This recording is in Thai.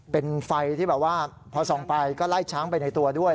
เป็นไฟที่แบบว่าพอส่องไปก็ไล่ช้างไปในตัวด้วย